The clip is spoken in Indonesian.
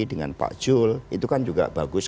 dengan pak jul itu kan juga bagus